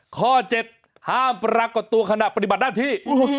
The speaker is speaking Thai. ข้อ๗ห้ามปรากฏตัวขณะปฏิบัติหน้าที่